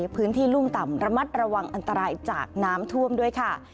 พื้นที่รุ่มต่ำระมัดระวังอันตรายจากน้ำท่วมด้วยค่ะ